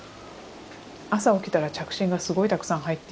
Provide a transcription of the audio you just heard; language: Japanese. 朝起きたら着信がすごいたくさん入っていて。